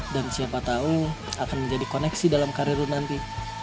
dan siapa tau akan menjadi koneksi dalam karir lo nanti